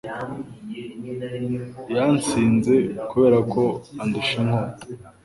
Yansinze kubera ko andusha inkota?